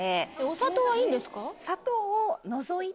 お砂糖はいいんですか？